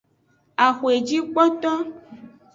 Axwejikpoto.